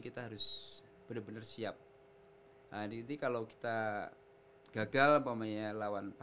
kita harus benar benar siap adik adik kalau kita mau mencari pertandingan di laman rumput ini kita harus benar benar siap